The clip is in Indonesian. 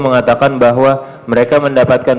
mengatakan bahwa mereka mendapatkan